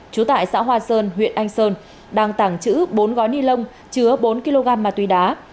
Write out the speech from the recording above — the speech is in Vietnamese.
trú tại xã hoa sơn huyện anh sơn đang tàng trữ bốn gói ni lông chứa bốn kg ma túy đá